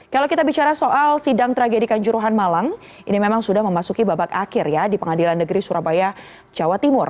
kalau kita bicara soal sidang tragedi kanjuruhan malang ini memang sudah memasuki babak akhir ya di pengadilan negeri surabaya jawa timur